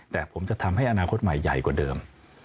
แต่ผมจะทำให้อนาคตใหม่ใหญ่กว่าเดิม